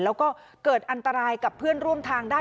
แล้วก็เกิดอันตรายกับเพื่อนร่วมทางได้